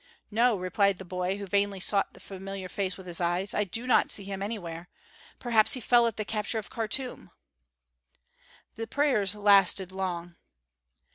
"No!" replied the boy, who vainly sought the familiar face with his eyes. "I do not see him anywhere. Perhaps he fell at the capture of Khartûm." The prayers lasted long.